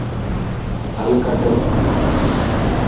حل ڪڌ.